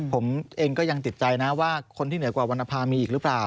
ผมเองก็ยังติดใจนะว่าคนที่เหนือกว่าวรรณภามีอีกหรือเปล่า